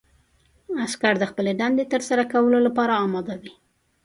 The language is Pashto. عسکر د خپلې دندې ترسره کولو لپاره اماده وي.